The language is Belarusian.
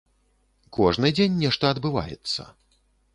Кожны дзень нешта адбываецца.